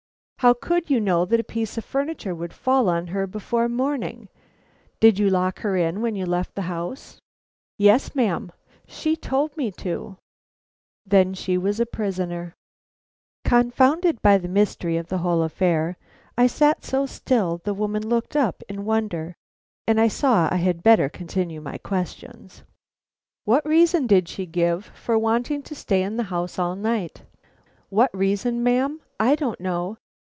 "How could you know that a piece of furniture would fall on her before morning. Did you lock her in when you left the house?" "Yes, ma'am. She told me to." Then she was a prisoner. Confounded by the mystery of the whole affair, I sat so still the woman looked up in wonder, and I saw I had better continue my questions. "What reason did she give for wanting to stay in the house all night?" "What reason, ma'am? I don't know.